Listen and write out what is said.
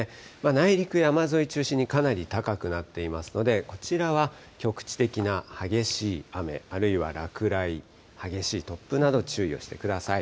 内陸、山沿いを中心にかなり高くなっていますので、こちらは局地的な激しい雨、あるいは落雷、激しい突風など注意をしてください。